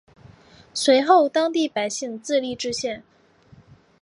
随后当地百姓自立冶县。